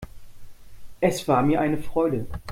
Es war mir eine Freude.